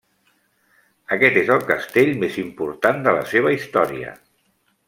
Aquest és el castell més important de la seva història.